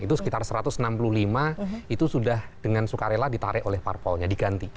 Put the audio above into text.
itu sekitar satu ratus enam puluh lima itu sudah dengan suka rela ditarik oleh parpolnya diganti